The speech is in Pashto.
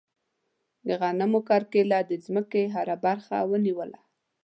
د غنمو کرکیله د ځمکې هره برخه ونیوله.